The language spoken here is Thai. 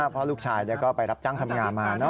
เพราะลูกชายก็ไปรับจ้างทำงานมา